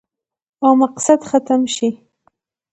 او مقصد ختم شي